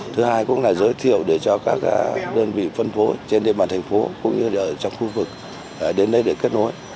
thứ hai cũng là giới thiệu để cho các đơn vị phân phối trên địa bàn thành phố cũng như ở trong khu vực đến đây để kết nối